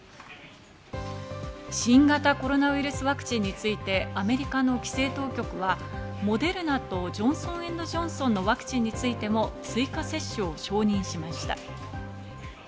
新型コロナウイルスワクチンについてアメリカの規制当局は、モデルナとジョンソン・エンド・ジョンソンのワクチンについても追加接種を承認しました。